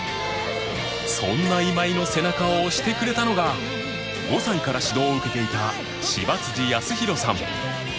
そんな今井の背中を押してくれたのが５歳から指導を受けていた芝泰宏さん